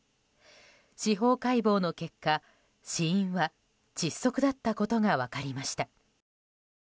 司法解剖の結果、死因は窒息だったことが分かりました。